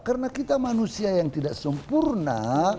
karena kita manusia yang tidak sempurna